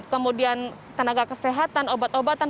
kemudian tenaga kesehatan obat obatan